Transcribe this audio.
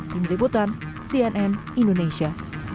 tim ributan cnn indonesia